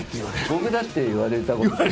僕だって言われたことある。